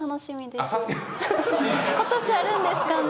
今年あるんですかね？